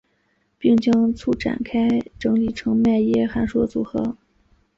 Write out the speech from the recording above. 并将簇展开整理成迈耶函数的组合。